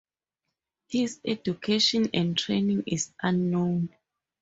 His education and training is unknown.